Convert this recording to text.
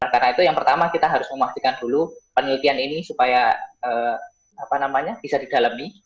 karena itu yang pertama kita harus memastikan dulu penelitian ini supaya bisa didalami